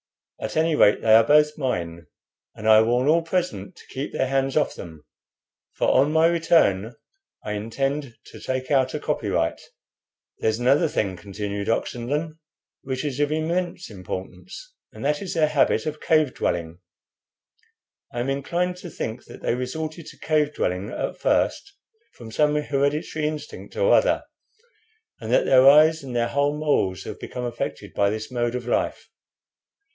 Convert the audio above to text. At any rate they are both mine, and I warn all present to keep their hands off them, for on my return I intend to take out a copyright." "There's another thing," continued Oxenden, "which is of immense importance, and that is their habit of cave dwelling. I am inclined to think that they resorted to cave dwelling at first from some hereditary instinct or other, and that their eyes and their whole morals have become affected by this mode of life.